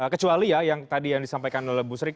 kecuali ya yang tadi yang disampaikan oleh bu sri